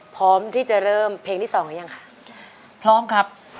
พร้อมที่จะเริ่มเพลงที่สองแล้วยังคะ